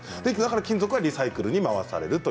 金属はリサイクルに回されます。